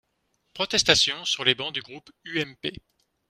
Protestations sur les bancs du groupe UMP.